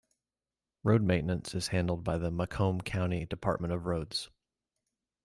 Road maintenance is handled by the Macomb County Department of Roads.